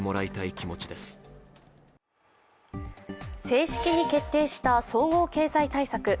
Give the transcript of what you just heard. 正式に決定した総合経済対策。